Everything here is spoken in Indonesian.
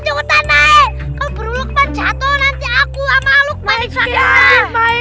masuk cukup naik kalau beruluk panjatuh nanti aku sama aluk panjang